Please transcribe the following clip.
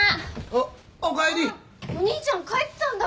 あっお兄ちゃん帰ってたんだ。